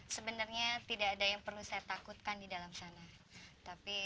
sebenarnya tidak ada yang perlu saya takutkan di dalam sana